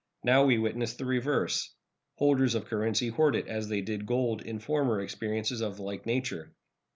Now we witness the reverse. Holders of currency hoard it as they did gold in former experiences of a like nature.